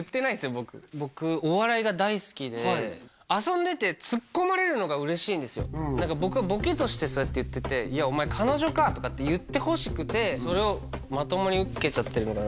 僕僕お笑いが大好きではい遊んでてツッコまれるのが嬉しいんですよだから僕はボケとしてそうやって言ってて「いやお前彼女か」とかって言ってほしくてそれをまともに受けちゃってるのかな